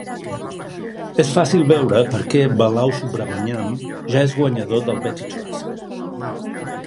És fàcil veure per què Balasubramanyam ja és guanyador del Betty Trask.